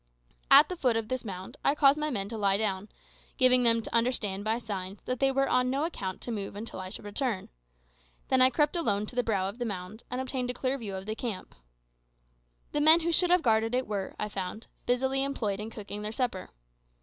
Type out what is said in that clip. At the foot of this mound I caused my men to lie down, giving them to understand, by signs, that they were on no account to move until I should return. Then I crept alone to the brow of the mound, and obtained a clear view of the camp. The men who should have guarded it were, I found, busily employed in cooking their supper.